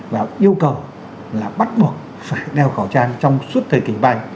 và yêu cầu là bắt buộc phải đeo khẩu trang trong suốt thời kỳ banh